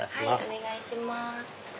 お願いします。